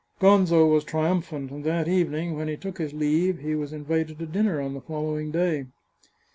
Gonzo was triumphant, and that evening when he took his leave he was invited to dinner on the following day.